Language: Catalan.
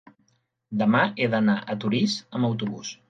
Demà he d'anar a Torís amb autobús.